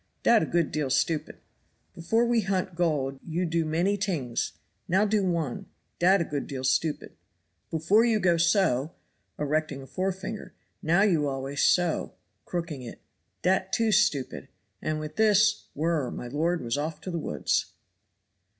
Dat a good deal stupid. Before we hunt gold you do many tings, now do one; dat a good deal stupid. Before, you go so (erecting a forefinger); now you always so (crooking it). Dat too stupid." And with this whir! my lord was off to the woods.